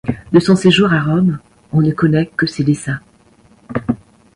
De son séjour à Rome on ne connaît que ses dessins.